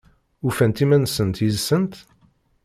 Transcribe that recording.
Ufant iman-nsent yid-sent?